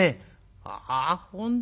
「ああ本当だ。